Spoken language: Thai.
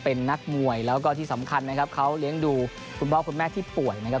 เป็นนักมวยแล้วก็ที่สำคัญนะครับเขาเลี้ยงดูคุณพ่อคุณแม่ที่ป่วยนะครับ